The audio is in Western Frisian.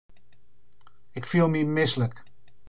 Ik fiel my mislik.